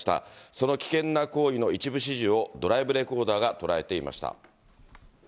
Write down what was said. その危険な行為の一部始終を、ドライブレコーダーが捉えていました。